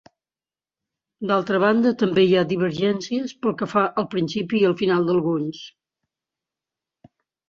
D'altra banda, també hi ha divergències pel que fa al principi i al final d'alguns.